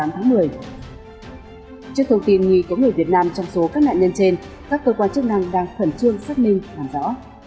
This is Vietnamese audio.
trước thông tin nghi có người việt nam trong số các nạn nhân trên các cơ quan chức năng đang khẩn trương xác minh làm rõ